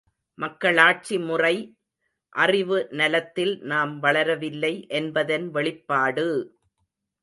மக்களாட்சிமுறை அறிவு நலத்தில் நாம் வளரவில்லை என்பதன் வெளிப்பாடு!